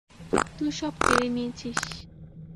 তুই সব কেড়ে নিয়েছিস।